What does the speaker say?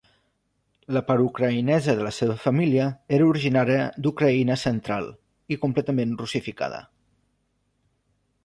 La part ucraïnesa de la seva família era originària d'Ucraïna central i completament russificada.